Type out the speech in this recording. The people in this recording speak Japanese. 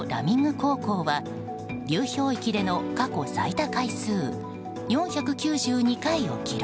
航行は流氷域での過去最多回数４９２回を記録。